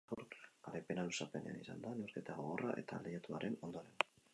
Garaipena luzapenean izan da neurketa gogorra eta lehiatuaren ondoren.